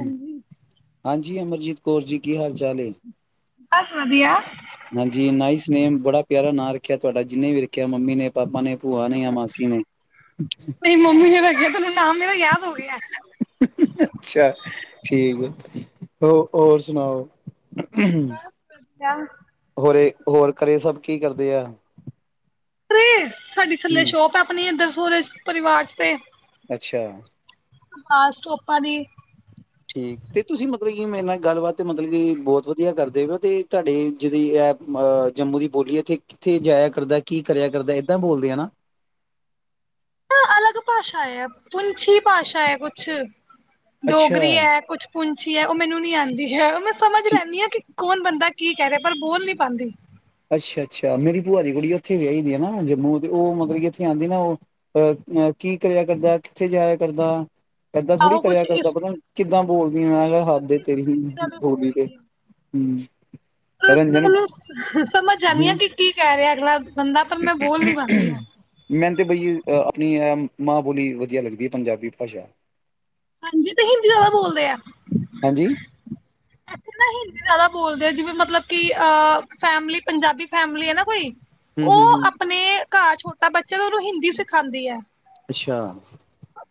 ਹਾਂਜੀ ਹਾਂਜੀ ਅਮਰਜੀਤ ਕੌਰ ਜੀ ਕੀ ਹਾਲ ਚਾਲ ਨੇ ਬਸ ਵਧੀਆ ਹਾਂਜੀ ਨਾਈਸ ਨੇੇਮ ਬੜਾ ਪਿਆਰਾ ਨਾਂ ਰੱਖਿਆ ਤੁਹਾਡਾ ਜਿੰਨੇ ਵੀ ਰੱਖਿਆ ਮੰਮੀ ਨੇ ਪਾਪਾ ਨੇ ਭੂਆ ਨ ਆ ਮਾਸੀ ਨੇ ਮੇਰੀ ਮੰਮੀ ਨੇ ਰੱਖਿਆ ਤੈਨੂੰ ਨਾਮ ਮੇਰਾ ਯਾਦ ਹੋ ਗਿਆ। ਅੱਛਾ ਠੀਕ ਆ ਹੋ ਹੋਰ ਸੁਣਾਓ ਹ [inaudible] ਕ [unintelligible] ਹੋਰੇ ਹੋਰ ਘਰੇ ਸਭ ਕੀ ਕਰਦੇ ਆ ੍ਰੇੜ [unintelligible] ਸਾਡੀ ਥੱਲੇ ਹੂੰ ਸ਼ੋਪ ਹੈ, ਆਪਣੀ ਇੱਧਰ ਸੂਰਜ ਪਰਿਵਾਰ ਚ ਤੇ ਅੱਛਾ ਆਸਟੋਪਾਂ ਦੀ ਠੀਕ ਤੇ ਤੁਸੀਂ ਮਤਲਬ ਕੀ ਮੇਰੇ ਨਾਲ ਗੱਲਬਾਤ ਮਤਲਬ ਕਿ ਬਹੁਤ ਵਧੀਆ ਕਰਦੇ ਹੋ ਹੋ ਤੇ ਤੁਹਾਡੇ ਜਿਹੜੀ ਹੈਹ ਜੰਮੂ ਦੀ ਬੋਲੀ ਹੈ, ਇੱਥੇ ਕਿੱਥੇ ਜਾਇਆ ਕਰਦਾ ਕੀ ਕਰਿਆ ਕਰਦਾ ਏਦਾਂ ਬੋਲਦੇ ਆ ਨਾ ਅਲੱਗ ਭਾਸ਼ਾ ਹੈ। ਪੁੰਛੀ ਭਾਸ਼ਾ ਹੈ ਕੁਛ ਅੱਛਾ ਡੋਗਰੀ ਹੈ ਕੁਛ ਪੁੰਛੀ ਹੈ ਉਹ ਮੈਨੂੰ ਨੀ ਆਉਂਦੀ ਹ [unintelligible] ਸਮਝ ਲੈਂਦੀ ਹਾਂ ਕਿ ਕੌਣ ਬੰਦਾ ਕੀ ਕਹਿ ਰਿਹਾ ਪਰ ਬੋਲ ਨੀ ਪਾਉਂਦੀ ਅੱਛਾ, ਅੱਛਾ ਮੇਰੀ ਭੂਆ ਦੀ ਗੁਡੀਯੋ ਇੱਥੇ ਵਿਆਹੀਦੀ ਆ ਨਾ ਜੰਮੂ ਤੇ ਉਹ ਮਤਲਬ ਕਿ ਇੱਥੇ ਆਉਂਦੀ ਨਾ ਉਹ ਅਹ ਕੀ ਕਰਿਆ ਕਰਦਾ ਕਿੱਥੇ ਜਾਇਆ ਕਰਦਾ ਏਦਾਂ ਥੋੜ੍ਹੀ ਆਹੋ ਕਰਿਆ ਕੁਛ ਕਰ ਇਸ ਪਤਾੁਣ ਕਿੱਦਾਂ ਨਾਲ ਕੁਛ ਹਦੇ ਇਸ ਤੇਰੀ ਹੀ ਤਰੀਕੇ ਨਾਲ ਹੋਲੀ ਦੇ ਬੋਲਦੀ ਹੈ ਹੈ। ਨਾ ਰੰਜਨ ਮੈਨੂੰ ਸਮਝ ਜਾਂਦੀ ਹਾਂ ਭਈ ਕੀ ਕਹਿ ਅਰੇ ਅਗਲਾ ਬੰਦਾ ਪਰ ਮੈਂ ਬੋਲ ਨੀ ਪਾਉਂਦੀ ਆ। ਮੈਨ ਤੇ ਬਈ ਆ ਆਪਣੀ ਆ ਮਾਂ ਬੋਲੀ ਵਧੀਆ ਲੱਗਦੀ ਹੈ ਪੰਜਾਬੀ ਭਾਸ਼ਾ ਹਾਂਜੀ ਤੇ ਹਿੰਦੀ ਜ਼ਿਆਦਾ ਬੋਲਦੇ ਆ ਹਾਂਜੀ ਏਥੇ ਤਾਂ ਹਿੰਦੀ ਜ਼ਿਆਦਾ ਬੋਲਦੇ ਆ ਜਿਵੇਂ ਮਤਲਬ ਕਿ ਫੈਮਲੀ ਪੰਜਾਬੀ ਫੈਮਿਲੀ ਹੈ ਨਾ ਕੋਈ ਹੂ ਹੂ ਹੂ ਉਹ ਆਪਣੇ ਘਰ ਛੋਟਾ ਬੱਚਾ ਤੇ ਉਹਨੂੰ ਹਿੰਦੀ ਸਿਖਾਉਂਦੀ ਹੈ ਅੱਛਾ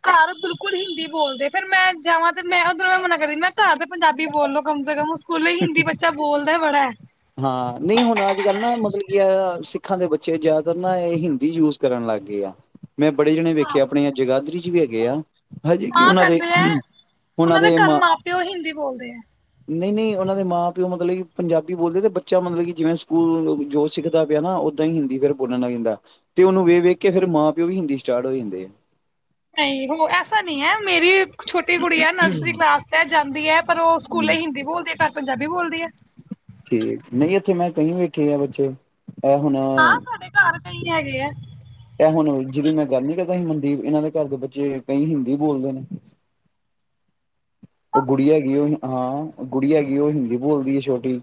ਘਰ ਬਿਲਕੁਲ ਹਿੰਦੀ ਬੋਲਦੇ ਫੇਰ ਮੈਂ ਜਾਵਾਂ ਤੇ ਮੈਂ ਉੱਧਰੋਂ ਮੈਂ ਮਨਾ ਕਰਦੀ ਮੈਂ ਘਰ ਤੇ ਪੰਜਾਬੀ ਬੋਲ ਲੋ ਕਮ ਸੇ ਕਮ ਸਕੂਲ ਵੀ ਹਿੰਦੀ ਬੱਚਾ ਬੋਲਦਾ ਬੜਾ ਹੈ ਹਾਂ ਨਹੀਂ ਹੁਣ ਅੱਜ ਕੱਲ੍ਹ ਨਾ ਮਤਲਬ ਕੀ ਹੈ ਸਿੱਖਾਂ ਦੇ ਬੱਚੇ ਜ਼ਿਆਦਾਤਰ ਨਾ ਇਹੀ ਹਿੰਦੀ ਯੂਜ਼ ਕਰਨ ਲੱਗ ਗਏ ਆ ਮੈਂ ਬੜੇ ਜਣੇ ਹਾਂ ਵੇਖੇ ਆ ਆਪਣੇ ਜਗਾਦਰੀ ਚ ਵੀ ਹੈਗੇ ਉਹ ਆ ਹਜੇ ਕੀ ਤਾਂ ਉਹਨਾਂ ਦੇ ਕਰਦੇ ਹੈ ਉਹਨਾਂ ਦੇ ਘਰ ਮਾਂ ਪਿਓ ਹਿੰਦੀ ਬੋਲਦੇ ਹੈ ਨਹੀਂ ਨਹੀਂ ਉਹਨਾਂ ਦੇ ਮਾਂ ਪਿਉ ਮਤਲਬ ਕਿ ਪੰਜਾਬੀ ਬੋਲਦੇ ਤੇ ਬੱਚਾ ਮਤਲਬ ਕਿ ਜਿਵੇਂ ਸਕੂਲ ਜੋ ਸਿੱਖਦਾ ਪਿਆ ਨਾ ਉਦਾ ਹੀ ਹਿੰਦੀ ਫੇਰ ਬੋਲਣ ਲੱਗ ਜਾਂਦਾ ਤੇ ਉਹਨੂੰ ਵੇਖ ਵੇਖ ਕੇ ਫੇਰ ਮਾਂ ਪਿਓ ਵੀ ਹਿੰਦੀ ਸਟਾਟ ਹੋ ਜਾਂਦੇ ਹੈ। ਨਹੀਂ ਹੁਣ ਐਸਾ ਨਹੀਂ ਹੈ ਮੇਰੀ ਛੋਟੀ ਗੁੜੀਆ ਨਰਸਰੀ ਕਲਾਸ ਐ ਜਾਂਦੀ ਹੈ ਪਰ ਉਹ ਸਕੂਲੇ ਹੂੰ ਹਿੰਦੀ ਬੋਲਦੀ ਅ ਘਰ ਪੰਜਾਬੀ ਬੋਲਦੀ ਐ, ਠੀਕ ਨਹੀਂ ਇੱਥੇ ਮੈਂ ਕਹੀਂ ਵੈਖੇ ਆ ਬੱਚੇ, ਇਹ ਹੁਣ ਹਾਂ ਸਾਡੇ ਘਰ ਕਈ ਹੈਗੇ ਆ ਇਹ ਹੁਣ ਜਿਹਦੀ ਮੈਂ ਗੱਲ ਨੀ ਕਰ ਕਈ ਮਨਦੀਪ ਇਹਨਾਂ ਦੇ ਘਰ ਦੇ ਬੱਚੇ ਕਈ ਹਿੰਦੀ ਬੋਲਦੇ ਨੇ, ਉਹ ਗੁੜੀਆ ਹੈਗੀ ਐ ਉਹ ਹਾਂ ਗੁੜੀਆ ਐ ਹੈਗੀ ਉਹ ਹਿੰਦੀ ਬੋਲਦੀ ਹੈ, ਛੋਟੀ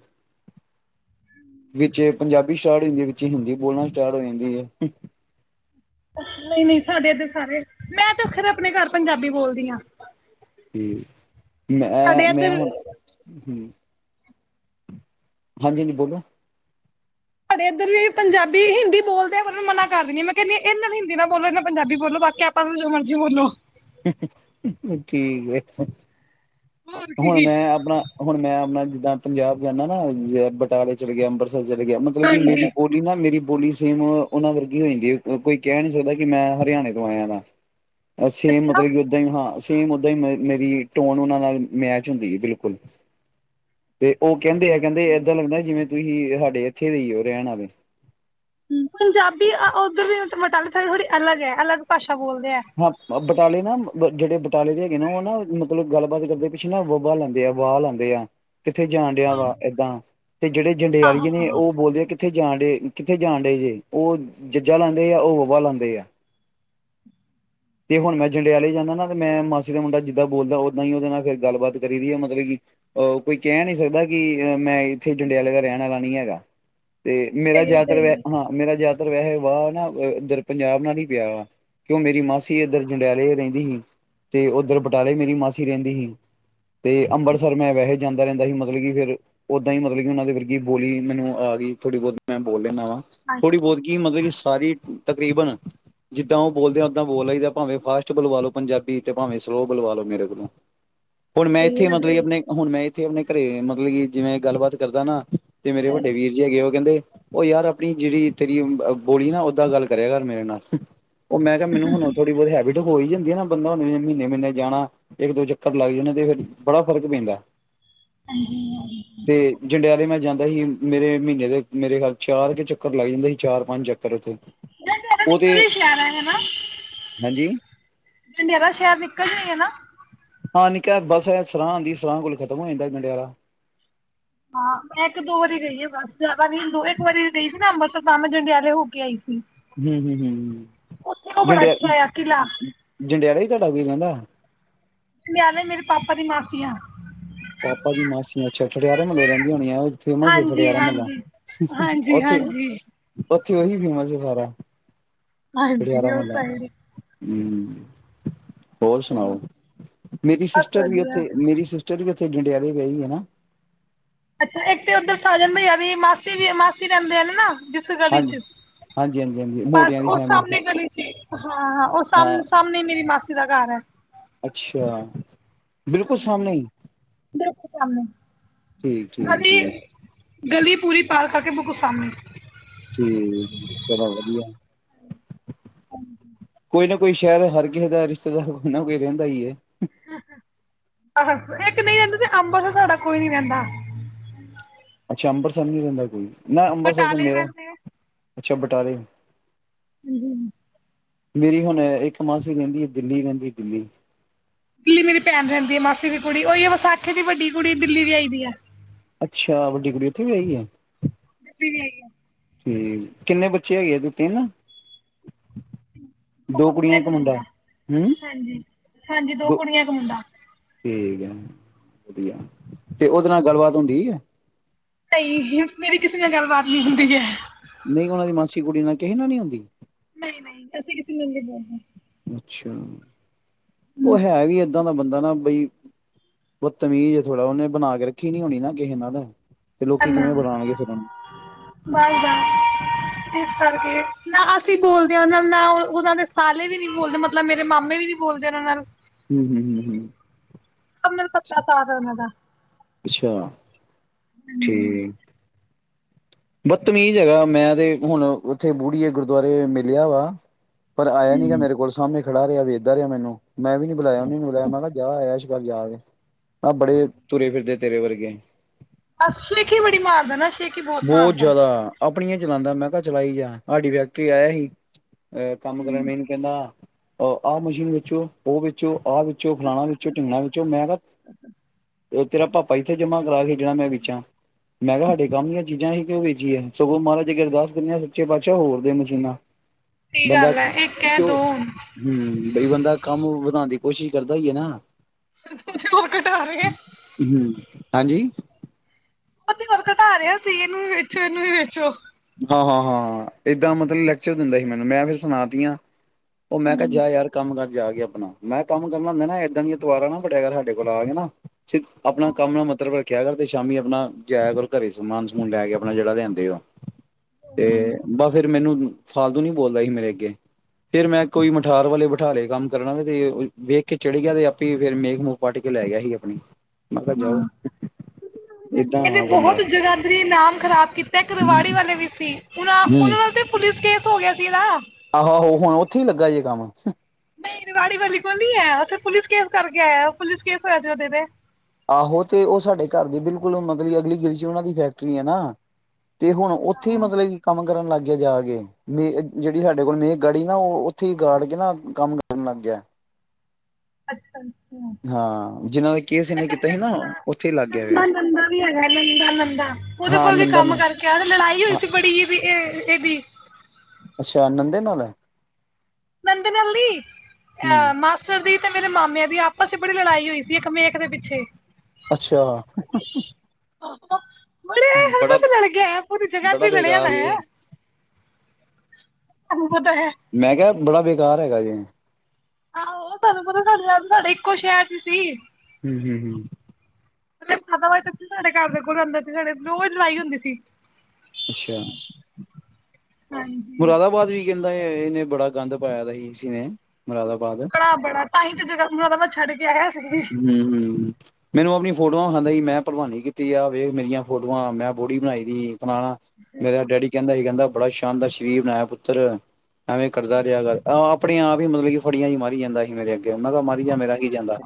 ਵਿੱਚ ਪੰਜਾਬੀ ਸਟਾਰਟ ਹੋ ਜਾਂਦੀ ਹੈ ਵਿੱਚ ਹਿੰਦੀ ਬੋਲਣਾ ਸਟਾਰਟ ਹੋ ਜਾਂਦੀ ਹੈ। ਨਹੀਂ ਨਹੀਂ ਸਾਡੇ ਇਧਰ ਸਾਰੇ ਮੈਂ ਤਾਂ ਖੈਰ ਆਪਣੇ ਘਰ ਪੰਜਾਬੀ ਬੋਲਦੀ ਆ, ਠੀਕ ਮੈਂ ਮੈਂ ਇੱਧਰ ਹੁਣ ਹੂੰ, ਹਾਂਜੀ ਨਈ ਬੋਲੋ, ਸਾਡੇ ਇੱਧਰ ਵੀ ਪੰਜਾਬੀ ਹਿੰਦੀ ਬੋਲਦੇ ਆ ਪਰ ਮੈ ਮਨਾ ਕਰ ਦੀਨੀ ਆ ਮੈਂ ਕਹਿੰਦੀ ਇਹਨਾਂ ਨਾਲ ਹਿੰਦੀ ਨਾ ਬੋਲੋ ਇਹਨਾਂ ਨਾਲ ਪੰਜਾਬੀ ਬੋਲੋ ਬਾਕੀ ਆਪਾਂ ਨੂੰ ਜੋ ਮਰਜ਼ੀ ਬੋਲੋ। ਠੀਕ ਹੈ, ਹੋਰ ਹੁਣ ਕੀ ਮੈਂ ਆਪਣਾ ਹੁਣ ਮੈਂ ਆਪਣਾ ਜ ਦਾਂ ਪੰਜਾਬ ਜਾਂਨਾ ਨਾ ਜਿਵੇਂ ਬਟਾਲੇ ਚਲ ਗਿਆ ਅੰਬਰ ਚੱਲ ਗਿਆ ਮਤਲਬ ਕਿ ਮੇਰੀ ਹਾਂਜੀ ਬੋਲੀ ਨਾ ਮੇਰੀ, ਬੋਲੀ ਸੇਮ ਉਹਨਾਂ ਵਰਗੀ ਹੋ ਜਾਂਦੀ ਕੋਈ ਕਹਿ ਨੀ ਸਕਦਾ ਕਿ ਮੈਂ ਹਰਿਆਣੇ ਤੋਂ ਆਇਆ ਵਾ, ਸੇਮ ਅੱਛਾ ਮਤਲਬ ਕਿ ਉਦਾਂ ਹੀ ਹਾਂ ਸੇਮ ਉਦਾਂ ਹੀ ਮ ਮੇਰੀ ਟੋਨ ਉਹਨਾਂ ਨਾਲ, ਮੈਚ ਹੁੰਦੀ ਹੈ ਬਿਲਕੁਲ ਤੇ ਉਹ, ਕਹਿੰਦੇ ਹਾਂ ਕਹਿੰਦੇ ਏਦਾਂ ਲਗਦਾਂ ਹੈ ਜਿਵੇਂ, ਤੁਸੀਂ ਸਾਡੇ ਇੱਥੇ ਦੇ ਹੀ ਰਹਿਣ ਆਲੇ, ਪੰਜਾਬੀ ਅ ਉਧਰ [unintelligible] [unintelligible] ਥੜੀ-ਥੋੜੀ ਅਲਗ ਹੈ ਅਲਗ ਭਾਸ਼ਾ ਬੋਲਦੇ ਆ ਹਾਂ ਬਟਾਲੇ ਨਾ ਜਿਹੜੇ, ਤਾਲੇ ਦੇ ਹੈਗੇ ਨਾ ਉਹ ਨਾ ਮਤਲਬ ਗੱਲਬਾਤ ਕਰਦੇ ਪਿੱਛੇ ਨਾ ਬੱਬਾ ਲਾਦੇ ਆ ਵਾਹ ਲਾਦੇ ਆ। ਕਿੱਥੇ ਜਾਣ ਡਿਆ ਆਹੋ ਵਾ ਏਦਾਂ ਤੇ ਜਿਹੜੇ ਆਹੋ ਜੰਡਿਆਲੀਏ ਨੇ ਆਹੋ ਉਹ ਬੋਲਦੇ ਆ ਕਿ ਕਿੱਥੇ ਜਾਣ ਦਏ, ਕਿੱਥੇ ਜਾਣ ਦਏ ਜੇ ਉਹ ਜੱਜਾ ਲਾਦੇ ਆ ਉਹ ਬੱਬਾ ਲਾਦੇ ਆ। ਤੇ ਹੁਣ ਮੈਂ ਜੰਡਿਆਲੇ ਜਾਂਨਾ ਨਾ ਤੇ ਮੈਂ ਮਾਸੀ ਦਾ ਮੁੰਡਾ ਜਿੱਦਾਂ ਬੋਲਦਾ ਉਦਾਂ ਹੀ ਉਹਦੇ ਨਾਲ ਫਿਰ ਗੱਲਬਾਤ ਕਰੀ ਦੀ ਹੈ, ਮਤਲਬ ਕਿ ਅਹ ਕੋਈ ਕਹਿ ਨੀ ਸਕਦਾ ਕਿ ਮੈਂ ਇੱਥੇ ਜੰਡਿਆਲੇ ਦਾ ਰਹਿਣ ਆਲਾ ਨੀ ਹੈਗਾ। ਤੇ ਮੇਰਾ ਸਹੀ ਹੈ ਜ਼ਿਆਤਰ ਸਹੀ ਹੈ ਹਾਂ ਮੇਰਾ ਜਿਆਦਾ ਧਰ ਵੈਸੇ ਵਾਹ ਨਾ ਇੱਧਰ ਪੰਜਾਬ ਨਾਲ ਹੀ ਪਿਆ ਵਾ ਕਿਉਂ ਮੇਰੀ ਮਾਂ ਸੀ ਇੱਧਰ ਜੰਡਿਆਲੇ ਰਹਿੰਦੀ ਸੀ, ਤੇ ਉੱਧਰ ਬਟਾਲੇ ਮੇਰੀ ਮਾਸੀ ਰਹਿੰਦੀ ਸੀ। ਤੇ ਅੰਮ੍ਰਿਤਸਰ ਮੈਂ ਵੈਸੇ ਜਾਂਦਾ ਰਹਿੰਦਾ ਸੀ ਮਤਲ ਮਤਲਬ ਕਿ ਫੇਰ ਉਦਾਂ ਹੀ ਮਤਲਬ ਕਿ ਉਹਨਾਂ ਦੇ ਵਰਗੀ ਬੋਲੀ ਮੈਨੂੰ ਆ ਗਈ ਥੋੜ੍ਹੀ ਬਹੁਤ ਮੈਂ ਬੋਲ ਲੈਂਦਾ ਵਾ, ਥੋੜ੍ਹੀ ਬਹੁਤ ਕੀ ਮਤਲਬ ਕਿ ਸਾਰੀ ਤਕਰੀਬਨ, ਜਿੱਦਾਂ ਉਹ ਬੋਲਦੇ ਉੱਦਾਂ ਬੋਲ ਲਈ ਦਾ ਭਾਵੇਂ ਫਾਸਟ ਬੁਵਾ ਲੋ ਪੰਜਾਬੀ ਤੇ ਭਾਵੇਂ ਸਲੋਅ ਬੁਵਾ ਲੋ ਮੇਰੇ ਕੋਲੋਂ। ਹੁਣ ਮੈਂ ਇਥੇ ਹਾਂਜੀ ਮਤਲਬ ਹਾਂਜੀ ਆਪਣੇ ਹੁਨ ਵੇ ਇੱਥੇ ਆਪਣੇ ਘਰੇ ਮਤਲਬ ਕਿ ਜਿਵੇਂ ਗੱਲਬਾਤ ਕਰਦਾ ਨਾ ਤੇ ਮੇਰੇ ਹਾਂਜੀ ਵੱਡੇ ਵੀਰ ਜੀ ਹੈਗੇ ਉਹ ਕਹਿੰਦੇ ਉਹ ਯਾਰ ਆਪਣੀ ਜਿਹੜੀ ਤੇਰੀ ਬੋਲੀ ਨਾ ਓਦਾਂ ਗੱਲ ਕਰਿਆ ਯਾਰ ਮੇਰੇ ਨਾਲ। ਉਹ ਮੈਂ ਕਿਹਾ ਮੈ ਥੋੜੀ [unintelligible] ਹੋ ਹੀ ਜਾਂਦੀ ਆ ਨਾ। ਬੰਦਾ ਹ ਮਹੀਨੇ ਮਹੀਨੇ ਜਾਣਾ, ਇੱਕ ਦੋ ਚੱਕਰ ਲੱਗ ਜਾਣੇ ਤੇ ਫਿਰ ਬੜਾ ਫ਼ਰਕ ਪੈਂਦਾ। ਹਾਂਜੀ ਤੇ ਜੰਡਿਆਲੇ ਮੈਂ ਜਾਂਦਾ ਸੀ ਮੇਰੇ ਮਹੀਨੇ ਦੇ ਮੇਰੇ ਖਿਆਲ ਚਾਰ ਕੇ ਚੱਕਰ ਲੱਗ ਜਾਂਦੇ ਸੀ ਚਾਰ-ਪੰਜ ਚੱਕਰ ਨ ਉਹ ਤੇ ਵੀ ਸਿਆਰ ਹੈ [unintelligible] ਹਾਂਜੀ ਜੰਡਿਆਲਾ ਸ਼ਹਿਰ ਨਿੱਕਾ ਜਿਹਾ ਹੀ ਹੈ ਨਾ। ਹਾਂ ਨਿੱਕਾ ਬਸ ਇਹ ਸਰਾਂ ਆਉਂਦੀ, ਸਰਾਂ ਕੋਲ ਖਤਮ ਹੋ ਜਾਂਦਾ ਜੰਡਿਆਲਾ। ਹਾਂ ਮੈਂ ਇੱਕ ਦੋ ਵਾਰੀ ਗਈ ਆ ਬਸ। ਜ਼ਿਆਦਾ ਨ ਦੋ ਇੱਕ ਵਾਰੀ ਗਈ ਸੀ ਨਾ ਅੰਬ ਤਾ ਮੈਂ ਜੰਡਿਆਲੇ ਹੋ ਕੇ ਆਈ ਸੀ। ਹਮ ਹਮ ਹਮ ਉੱਥੇ ਉਹ ਬੜਾ ਜਿੰਡਿਆ ਅੱਛਾ ਆ ਕਿਲ੍ਹਾ ਜਿੰਡਿਆਲੇ ਵੀ ਰਹਿੰਦਾ [unintelligible] ਨਾਲੇ ਮੇਰੇ ਪਾਪਾ ਦੀ ਮਾਸੀ ਆ ਪਾਪਾ ਦੀ ਮਾਸੀੀਆਂਛ ਟਿਆਰੇ ਮਹੱਲੇ ਰਹਿੰਦੀ ਹੋਣੀ ਆ ਫੇਮਸ ਹਾਂਜੀ ਟਿਆਰਾ ਮੁਹੱਲਾ ਹਾਂਜੀ ਹਾਂਜੀ ਉੱਥੇ ਹਾਂਜੀ ਉੱਥੇ ਉਹੀ ਫੀਮ ਸਾਰਾ ਹਾਂਜੀ ਉਹ ਸਹੀ ਹਮ ਹੋਰ ਸੁਣਾਓ ਮੇਰੀ ਬਸ ਸਿਸਟਰ ਵੀ ਵਧੀਆ ਉੱਥੇ ਮੇਰੀ ਸ ਕਿਥੇ ਡੰਡਿਆ ਦੇ ਪਏ ਹਨਾ ਅੱਛਾ ਇੱਕ ਤੇ ਉੱਧਰ ਸਜਦੀ ਆ ਵੀ ਮਾਸੀ ਵੀ ਮਾਸੀ ਰਹਿੰਦੇ ਆ ਨਾ ਜਿੱਥ ਗਲੀ ਹਾਂਜੀ ਚ ਹਾਂਜੀ ਹਾਂਜੀ ਹਾਂਜੀ ਬਸ ਮੋਟਿਆਂ ਦੀ ਉਸ ਫੈਮਿਲੀ ਸਮਣੇ ਗਲੀ ਚ ਹਾਂ ਹਾਂ ਉਹ ਸ ਸਾਹਮਣੇ ਮੇਰੀ ਮਸ ਦਾ ਘਰ ਹੈ ਅੱਛਾ ਬਿਲਕੁਲ ਸਾਹਮਣੇ ਹੀ ਕੰਮਣੇ ਠੀਕ ਠੀਕ ਗਲੀ ਠੀਕ ਗਲੀ ਪੂਰੀ ਪਾਰ ਕਰਕੇ ਬੁੱਕੁਸਾਮਣੇ ਠੀਕ, ਚਲੋ ਵਧੀਆ। ਹਾਂਜੀ। ਕੋਈ ਨਾ ਕੋਈ ਸ਼ਹਿਰ, ਹਰ ਕਿਸੇ ਦਾ ਰਿਸ਼ਤੇਦਾਰ, ਕੋਈ ਨਾ ਕੋਈ ਰਹਿੰਦਾ ਹੀ ਏ। ਆਹ ਤੇ ਨਹੀਂ ਰਹਿੰਦਾ ਤੇ ਅੰਬਰਸਰ ਸਾਡਾ ਕੋਈ ਨੀ ਰਹਿੰਦਾ। ਅੱਛਾ, ਅੰਬਰਸਰ ਨੀ ਰਹਿੰਦਾ ਕੋਈ। ਨਾ ਅੰਬਰਸਰ ਤੇ ਬਟਾਲੇ ਮੇਰਾ ਰਹਿੰਦੇ ਆ ਅੱਛਾ ਬਟਾਲੇ ਹੂੰ, ਹੂੰ। ਮੇਰੀ ਹੁਣ ਇੱਕ ਮਾਸੀ ਰਹਿੰਦੀ ਐ, ਦਿੱਲੀ ਰਹਿੰਦੀ, ਦਿੱਲੀ ਦਿੱਲੀ ਮੇਰੀ ਭੈਣ ਰਹਿੰਦੀ ਐ ਮਾਸੀ ਦੀ ਕੁੜੀ, ਉਹੀ ਹੈ ਵਿਸਾਖੀ ਦੀ ਵੱਡੀ ਕੁੜੀ ਦਿੱਲੀ ਵਿਹਾਈ ਦੀ ਐ। ਅੱਛਾ, ਵੱਡੀ ਕੁੜੀ ਉੱਥੇ ਵਿਹਾਈ ਐ। ਉੱਥੇ ਵਿਹਾਈ ਐ। ਠੀਕ, ਕਿੰਨੇ ਬੱਚੇ ਹੈਗੇ ਉਹਦੇ ਤਿੰਨ? ਦੋ ਕੁੜੀਆਂ ਇੱਕ ਮੁੰਡਾ, ਹੂੰ ਹਾਂਜੀ-ਹਾਂਜੀ, ਦੋ ਕੁੜੀਆਂ ਇੱਕ ਮੁੰਡਾ। ਠੀਕ ਹੈ ਵਧੀਆ। ਤੇ ਉਹਦੇ ਨਾਲ ਗੱਲਬਾਤ ਹੁਣ ਠੀਕ ਐ। ਨਹੀਂ ਮੇਰੀ ਕਿਸੇ ਨਾਲ ਗੱਲਬਾਤ ਨੀ ਹੁੰਦੀ ਐ। ਨਹੀਂ ਉਹਨਾਂ ਦੀ ਮਾਸੀ ਕੁੜੀ ਨਾਲ ਕਿਸੇ ਨਾ ਨੀ ਹੁੰਦੀ। ਨਹੀਂ-ਨਹੀਂ ਅਸੀਂ ਕਿਸੀ ਨਾਲ ਨੀ ਬੋਲਦੇ। ਅੱਛਾ ਉਹ ਹੈ ਵੀ ਏਦਾਂ ਦਾ ਬੰਦਾ ਨਾ ਬਈ ਬਤਮੀਜ਼ ਐ ਥੋੜ੍ਹਾ, ਉਹਨੇ ਬਨਾ ਕੇ ਰੱਖੀ ਨੀ ਹੋਣੀ ਨਾ ਕਿਸੇ ਨਾਲ। ਤੇ ਲੋਕੀ ਨਾ-ਨਾ, ਕਿਵੇਂ ਬੁਲਾਉਣਗੇ ਫਿਰ ਉਹਨੂੰ ਬਾਏ-ਬਾਏ। ਇਸ ਕਰਕੇ ਨਾ ਅਸੀਂ ਬੋਲਦੇ ਹਾਂ ਉਹਨਾਂ ਨਾਲ, ਨਾ ਉਹਨਾਂ ਦੇ ਸਾਲੇ ਵੀ ਨੀ ਬੋਲਦੇ ਮਤਲਬ ਮੇਰੇ ਮਾਮੇ ਵੀ ਨੀ ਬੋਲਦੇ ਉਹਨਾਂ ਨਾਲ। ਹੂੰ ਹੂੰ ਹੂੰ ਹੂੰ, [unintelligible] ਉਹਨਾਂ ਦਾ। ਅੱਛਾ ਠੀਕ ਬਦਤਮੀਜ ਹੈਗਾ ਮੈਂ ਤੇ ਹੁਣ ਉੱਥੇ ਬੂੜੀਏ ਗੁਰਦੁਆਰੇ ਮਿਲਿਆ ਵਾ। ਪਰ ਆਇਆ ਨੀ ਗਾ ਹੂੰ ਮੇਰੇ ਕੋਲ ਸਾਹਮਨੇ ਖ ਖੜਾ ਰਿਹਾ, ਵੇਖਦਾ ਰਿਹਾ ਮੈਨੂੰ। ਮੈਂ ਵੀ ਨੀ ਬੁਲਾਇਆ, ਉਹਨੇ ਵੀ ਨੀ ਬੁਲਾਇਆ, ਮੈਂ ਕਿਹਾ ਜਾ ਐਸ਼ [unintelligible] ਜਾਕੇ, ਮੈਂ ਬੜੇ ਤੁਰੇ ਫਿਰਦੇ ਤੇਰੇ ਵਰਗੇ। ਆਹ ਸ਼ੇਖੀ ਬੜੀ ਮਾਰਦਾ ਨਾ। ਸ਼ੇਖੀ ਬਹੁਤ ਮਾਰਦਾ ਜ਼ਿਆਦਾ ਅਪ ਆਪਣੀਆਂ ਹੀ ਚਲਾਉਂਦਾ ਮੈਂ ਕਿਹਾ ਚਲਾਈ ਜਾ, ਸਾਡੀ ਫੈਕਟਰੀ ਆਇਆ ਸੀ ਅਹ ਕੰਮ ਕਰਨ, ਮੇਨੂੰ ਕਹਿੰਦਾ ਅ ਆਹ ਮਸ਼ੀਨ ਵੇਚੋ, ਉਹ ਵੇਚੋ, ਆਹ ਵੇਚੋ, ਫਲਾਣਾ ਵੇਚੋ, ਢਿੰਗਣਾ ਵੇਚੋ, ਮੈਂ ਕਿਹਾ ਇਹ ਤੇਰਾ ਪਾਪਾ ਇੱਥੇ ਜਮਾ ਕਰਾ ਕੇ ਗਿ ਯਾ ਮੈਂ ਵੇਚਾਂ ਮੈਂ ਕਿਹਾ ਸਾਡੇ ਕੰਮ ਦੀਆਂ ਅਸੀਂ ਕਿਉਂ ਵੇਚੀਏ, ਸਗੋਂ ਮਹਾਰਾਜ ਜੀ ਅੱਗੇ ਅਰਦਾਸ ਕਰਨੇ ਆ ਸੱਚੇ ਪਾਤਸ਼ਾਹ ਹੋਰ ਦੇ ਮਸ਼ੀਨਾਂ। ਸਹੀ ਬੰਦਾ ਗੱਲ ਹੈ ਇੱਕ ਹੈ ਕਿਉਂ ਦੋ ਹੂੰ, ਬਈ ਬੰਦਾ ਕੰਮ ਵਧਾਂਨ ਦੀ ਕੋਸ਼ਿਸ਼ ਕਰਦਾ ਹੀ ਹੈ ਨਾ। ਹੂੰ, [inaudible] ਹਾਂਜੀ [inaudible] ਘਟਾ ਰਿਹਾ ਸੀ ਇਹਨੂੰ ਵੀ ਵੇਚੋ ਇਹਨੂੰ ਵੀ ਵੇਚੋ। ਹਾਂ-ਹਾਂ-ਹਾਂ ਏਦਾਂ ਮਤਲਬ ਲੈਕਚਰ ਦਿੰਦਾ ਸੀ ਮੈਨੂੰ ਮੈਂ ਫਿਰ ਸੁਨਾ ਤੀਆਂ। ਉਹ ਮੈਂ ਕਿਹਾ ਹੂੰ ਜਾ ਯਾਰ ਕੰਮ ਕਰ। ਜਾ ਕੇ ਆਪਨਾ ਮੈਂ ਕੰਮ ਕਰਨਾ ਹੁੰਦਾ ਹੈ ਨਾ ਇਹਦਾਂ [unintelligible] ਸਾਡੇ ਕੋਲ ਆ [unintelligible] ਨਾ। ਆਪਣਾ ਕੰਮ ਨਾਲ ਮਤਲਬ ਰੱਖ। ਕਿਆ ਕਰਦੇ ਸ਼ਾਮੀ ਆਪਣਾ ਜਾਇਆ ਕਰੋ ਘਰੇ ਸਮਾਨ ਸਮੂਨ ਲੈ ਕੇ ਆਪਣਾ ਜਿਹੜਾ ਲਿਆਂਦੇ ਓ। ਤੇ ਬਸ ਫਿਰ ਮੈਨੂੰ ਫਾਲਤੂ ਨੀ ਬੋਲਦਾ ਹੀ ਮੇਰੇ ਅੱਗੇ ਤੇ ਮੈਂ ਕੋਈ ਮਠਾਰ ਵਾਲੇ ਬਿਠਾ ਲਏ ਕੰਮ ਕਰਨਾ ਆਲੇ ਤੇ ਵੇਖ ਕੇ ਚੇੜ ਗਿਆ ਆਪੇ ਹੀ ਫਿਰ ਮੇਖ ਮੂਖ ਪਾੱਟ ਕੇ ਲੈ ਗਿਆ ਹੀ ਆਪਣੀ। ਮੈਂ ਕਿਹਾ ਜਾਓ ਹਾਂ ਏੱਦਾਂ ਇਹਨੇ ਹਾਲ ਹੁੰਦਾ। ਬਹੁਤ ਜਗਾਦਰੀ ਨਾਮ ਖਰਾਬ ਕੀਤਾ ਹੈ ਏਕ ਰਵਾੜੀ ਵਾਲੇ ਵੀ ਸੀ। [unintelligible] ਉਹਨਾ ਦਾ ਤੇ ਪੁਲਿਸ ਕੇਸ ਹੋ ਗਿਆ ਸੀਗਾ ਆਹੋ ਆਹੋ ਹੁਣ ਉੱਥੇ ਹੀ ਲੱਗਾ ਜੇ ਕੰਮ। ਨਹੀਂ ਰੇਵਾੜੀ ਵਾਲੇ ਕੋਲ ਨੀ ਹੈ ਉੱਥੇ ਪੁਲਿਸ ਕੇਸ ਕਰਕੇ ਆਇਆ ਪੁਲਿਸ ਕੇਸ ਹੋਇਆ ਦੈ ਓਹਦੇ ਤੇ। ਆਹੋ ਤੇ ਉਹ ਸਾਡੇ ਘਰ ਦੇ ਬਿਲਕੁਲ ਮਤਲਬ ਅਗਲੀ ਗਲੀ ਚ ਉਹਨਾਂ ਦੀ ਫੈਕਟਰੀ ਹੈ ਨਾ। ਤੇ ਹੁਣ ਉੱਥੇ ਹੀ ਮਤਲਬ ਕਿ ਕੰਮ ਕਰਨ ਲੱਗ ਗਿਆ ਜਾ ਕੇ ਮੇ ਜਿਹੜੀ ਸਾਡੇ ਕੋਲ ਮੇਖ ਗੜੀ ਨਾ ਉੱਥੇ ਹੀ ਗਾੜ ਕੇ ਨਾ ਕੰਮ ਕਰਨ ਲੱਗ ਗਿਆ। ਅੱਛ ਹਾਂ ਜਿਹਨਾਂ ਦਾ ਕੇਸ ਇਹਨੇ ਇੱਕ ਕੀਤਾ ਸੀ ਨੰ ਨਾ ਉੱਥੇ ਹੀ ਲੱਗ ਗਿਆ ਫਿਰ ਨੰਦਾ ਨੰਦਾ ਵੀ ਹੈਗਾ ਨੰਦਾ ਨੰਦਾ ਉਹਦੇ ਹਾਂ ਕੋਲ ਵੀ ਨੰਦਾ ਨ ਕੰਮ ਕਰਕੇ ਆ ਤੇ ਲੜਾਈ ਹੋਈ ਸੀ ਬੜੀ ਵੀ ਏ ਤੇਦੀ ਅੱਛਾ ਨੰਦੇ ਨਾਲ ਹੈ ਨੰਦ ਨਲ ਨੀ ਐ ਹਮ ਮਾਸਟਰ ਦੀ ਤੇ ਮੇਰੇ ਮਾਮਿਆਂ ਦੀ ਆਪਸ ਚ ਬੜੀ ਲੜਾਈ ਹੋਈ ਸੀ ਇੱਕ ਮੇਖ ਦੇ ਪਿੱਛੇ ਅੱਛਾ [unintelligible] [inaudible] ਬੜੇ ਹਰ ਬੜਾ ਪਾਸੇ ਲੜ ਕੇ ਆਯਾ ਪੂਰੀ ਬੜਾ ਜਗਾਧਰੀ ਲੜਿਆ ਬੇਕਾਰ ਵੈ ਐ ਏ। ਹ [inaudible] ਉਹ ਤਾਂ ਹੈ ਮੈਂ ਕਿਹਾ ਬੜਾ ਬੇਕਾਰ ਹੈਗਾ ਜੇ ਆਹੋ ਤੁਹਾਨੂੰ ਪਤਾ ਤੁਹਾਡੇ [unintelligible] ਇੱਕੋ ਸ਼ਹਿਰ ਚ ਸੀ ਹਮ ਹਮ ਹਮ ਖਾਦਾ ਹੋ ਸਾਡੇ ਘਰ ਦੇ [unintelligible] ਰੋਜ਼ ਲੜਾਈ ਹੁੰਦੀ ਸੀ ਅੱਛਾ ਹਾਂਜੀ ਮੁਰਾਦਾਬਾਦ ਵੀ ਕਹਿੰਦਾ ਹੈ ਇਹਨੇ ਬੜਾ ਗੰਦ ਪਾਇਆ ਦਾ ਸੀ ਇਸ ਨੇ ਮੁਰਾਦਾਬਾਦ ਕੜਾ ਬੜਾ ਤਾਂਹੀ ਤੇ ਜਗ੍ਹਾ ਛਡੇ [inaudible] ਹੂ ਹੂ ਮੈਨੂੰ ਆਪਣੀ ਫੋਟੋਆਂ ਖਾਂਦਾ ਸੀ ਮੈਂ ਭਰਵਾਨੀ ਕੀਤੀ ਆ ਵੇਖ ਮੇਰੀਆਂ ਫੋਟੋਆਂ ਮੈਂ ਬੋੜੀ ਬਣਾਈ ਦੀ ਆਪਣਾ ਮੇਰਾ ਡੈਡੀ ਕਹਿੰਦਾ ਸੀ ਕਹਿੰਦਾ ਬੜਾ ਸ਼ਾਨਦਾਰ ਸ਼ਰੀਰ ਬਣਾਇਆ ਪੁੱਤਰ ਐਵੇਂ ਕਰਦਾ ਰਿਹਾ ਗੱਲ ਆਪਣੇ ਆਪ ਮਤਲਬ ਕੀ ਫੜੀਆਂ ਮਾਰ ਪੀ ਜਾਂਦਾ ਸੀ ਮੇਰੇ ਅੱਗੇ ਉਹਨਾਂ ਦਾ, ਮਾਰੀ ਜਾ ਮੇਰਾ ਹੀ ਜਾਂਦਾ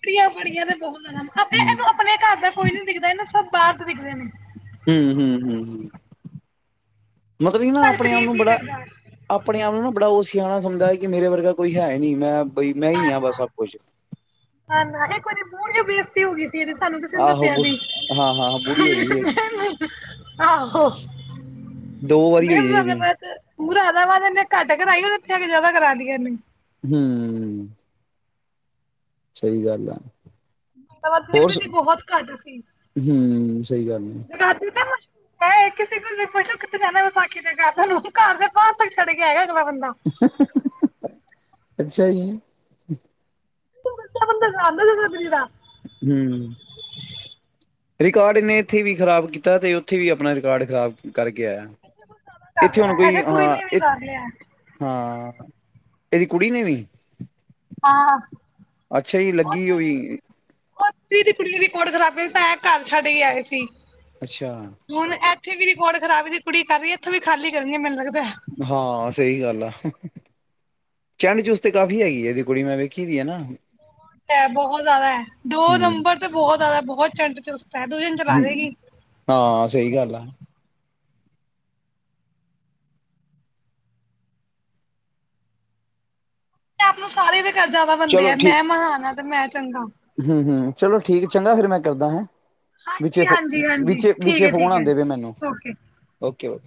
ਬੜੀਆਂ ਬੜੀਆਂ ਤੇ ਬਹੁਤ ਆਪ ਇਹਨੂੰ ਹੂੰ-ਹੂੰ-ਹੂੰ-ਹੂੰ ਆਪਣੇ ਘਰ ਦਾ ਕੋਈ ਨੀ ਦਿਖਦਾ ਇਹਨੂੰ ਸਬ ਬਾਹਰ ਤੋਂ ਦਿਖਦੇ ਨੇ ਹੂ ਹੂ ਹੂ ਹੂ ਮਤਲਬ ਹੀ ਨਾ ਸਾਡੀ ਆਪਣੇ ਆਪ ਤਾਰੀਫ਼ ਨੂੰ ਹੀ ਬੜਾ ਕਰਦਾ ਨਾ ਆਪਣੇ ਆਪ ਨੂੰ ਨਾ ਬੜਾ ਔ ਸਿਆਣਾ ਸਮਝਦਾ ਹੈ ਕਿ ਮੇਰੇ ਵਰਗਾ ਕੋਈ ਹੈ ਨੀ ਮੈਂ ਬਈ ਮੈਂ ਹੀ ਹ ਬਸ ਸਭ ਨਾ ਕੁਛ ਬੇਜ਼ਤੀ ਹੋ ਗਈ ਤੇ ਸਾਨੂੰ ਤੁਸੀ ਆਹੋ ਦਸਿਆਂ ਬੁ ਸੀ ਹਾਂ-ਹਾਂ ਬੁੜੀ ਹੋਈ ਸੀ ਇੱਕ ਆਹੋ ਦੋ ਵਾਰੀ ਮੈਂ ਹੋਈ ਹੈ ਇਹਦੀ ਮੁਰਾਦਾਬਾਦ ਮੁਰਾਦਾਬਾਦ ਐਨੇ ਘੱਟ ਕਰਾਈ, ਇੱਥੇ ਆਕੇ ਜਿਆਦਾ ਕਰਾ ਦੀਆਂ ਨੇ। ਹੂ ਸਹੀ ਗੱਲ ਆ। ਹਵਾ, ਫਿਰ ਹੋਰ ਵੀ ਤੇ ਬਹੁਤ ਘੱਟ ਸੀ, ਹੂੰ ਸਹੀ ਗੱਲ ਆ ਜ ਰਾ ਤੇ ਮੁਸ਼ [unintelligible] ਮੈਂ ਕਿਸੇ ਕੋ ਵੀ ਪੁਛਲੋ ਕਿਥੇ ਜਾਣਾ ਹੈ, ਵਿਸਾਖੀ ਤੇ ਘਰ, ਤੁਹਾਨੂੰ ਘਰ ਦੇ ਬਾਹਰ ਤੱਕ ਛੱਡ ਕੇ ਆਇਆ। [inaudible] ਅੱਛਾ ਜੀ ਤੂੰ ਮੈਨੂੰ ਪਵਨ ਦੇ ਘਰ ਨਹੀਂ ਦਸ ਸਕਦਾ ਹੂ, ਰਿਕਾਰਡ ਇਹਨੇ ਇੱਥੇ ਵੀ ਖ਼ਰਾਬ ਕੀਤਾ ਤੇ, ਉੱਥੇ ਵੀ ਆਪਣਾ ਰਿਕਾਰਡ ਖ਼ਰਾਬ ਕਰਕੇ ਆਇਆ। ਕਰ ਇੱਥੇ ਹੁਣ ਲਿਆ ਇਹਦੇ ਕੋਈ ਕੁੜੀ ਨੇ ਵੀ ਹਾਂ ਕਰ ਲਿਆ ਹਾਂ ਇਹਦੀ ਕੁੜੀ ਨੇ ਵੀ ਹਾਂ ਅੱਛਾ ਜੀ ਲੱਗੀ ਹੋਈ। ਪੀ ਏਦੀ ਕੁੜੀ ਨੇ ਵੀ ਕੋਰਟ ਖਰਾਬੀ, ਤਾਂ ਇਹ ਤਾਂਂ ਘਰ ਛੱਡ ਕੇ ਆਏ ਸੀ। ਅੱਛਾ ਹੁਣ ਇੱਥੇ ਵੀ ਰਿਕਾਰਡ ਖਰਾਬ ਇਹਦੀ ਕੁੜੀ ਕਰ ਰਹੀ ਏ, ਇੱਥੋਂ ਵੀ ਖਾਲੀ ਕਰਨੀ ਏ ਮੈਨੂੰ ਲਗਦਾ। ਹਾਂ, ਸਹੀ ਗੱਲ ਆ। ਚੈਂਡ ਚੂਸਤ ਤੇ ਕਾਫੀ ਹੈਗੀ ਹੈ, ਇਹਦੀ ਕੁੜੀ ਮੈਂ ਵੇਖੀ ਦੀ ਹੈ ਨਾ। ਬਹੁਤ ਹੈ ਬਹੁਤ ਜ਼ਿਆਦਾ ਹੈ, ਦੋ ਹੂੰ, ਨੰਬਰ ਤੇ ਬਹੁਤ ਜ਼ਿਆਦਾ ਬਹੁਤ, ਚੰਡ ਚੁਸ ਹੂੰ ਹਾਂ, ਸਹੀ ਗੱਲ ਆ। ਤੇ ਆਪ ਨੂੰ ਸਾਰੇ, ਕਰਜ਼ਾਵਾ ਬੰਦੇ, ਆ ਮੈਂ ਮਹਾਨ ਹਾਂ ਤੇ ਮੈਂ, ਚੰਗਾ ਹੂੰ-ਹੂੰ, ਚਲੋ, ਠੀਕ ਚੰਗਾ ਫੇਰ ਮੈਂ ਕਰਦਾ ਹੈਂ। ਵਿੱਚੇ ਹਾਂਜੀ ਹਾਂਜੀ ਹਾਂਜੀ ਠੀਕ ਵਿੱਚੇ ਹੈ ਫੋਨ ਠੀਕ ਹੈ ਆਦੇ ਪਏ ਮੈਨੂੰ, ਓਕੇ ਕਿਉ,